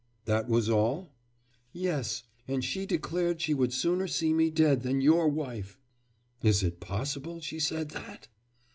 'That was all?' 'Yes, and she declared she would sooner see me dead than your wife!' 'Is it possible she said that?